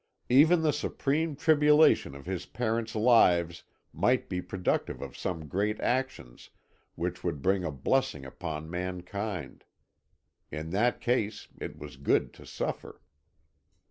Even the supreme tribulation of his parents' lives might be productive of some great actions which would bring a blessing upon mankind. In that case it was good to suffer.